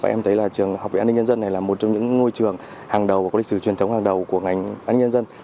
em thấy là trường học viện an ninh nhân dân này là một trong những ngôi trường hàng đầu và có lịch sử truyền thống hàng đầu của ngành an nhân dân